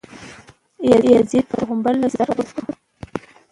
یزید د پیغمبر له زویه سر غوڅ کړی.